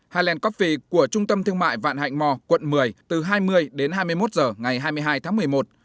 hiland coffee của trung tâm thương mại vạn hạnh mò quận một mươi từ hai mươi đến hai mươi một h ngày hai mươi hai tháng một mươi một